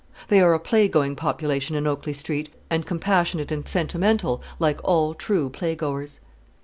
They are a playgoing population in Oakley Street, and compassionate and sentimental like all true playgoers.